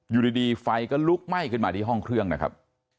อยู่ดีไฟก็ลุกไหม้ขึ้นมาที่ห้องเครื่องนะครับ